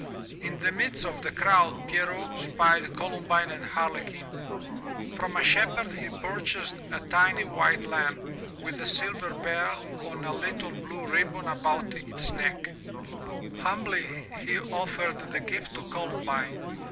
In the midst of the crowd, Pierrot spied Columbine and Harlequin. From a shepherd he purchased a tiny white lamb, with a silver bell on a little blue ribbon about its neck. *From Milton's L' Allegro. 359 MY BOOK HOUSE Humbly he offered the gift to Colum bine.